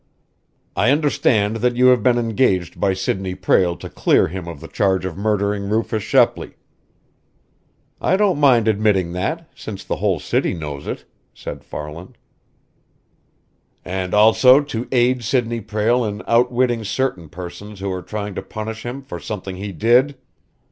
"I understand that you have been engaged by Sidney Prale to clear him of the charge of murdering Rufus Shepley." "I don't mind admitting that, since the whole city knows it," said Farland. "And also to aid Sidney Prale in outwitting certain persons who are trying to punish him for something he did."